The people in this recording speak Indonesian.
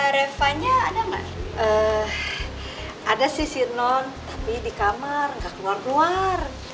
revanya ada nggak ada sisi non tapi di kamar nggak keluar keluar